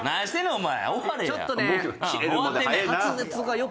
お前。